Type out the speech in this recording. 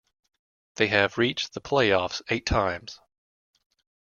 They have reached the playoffs eight times.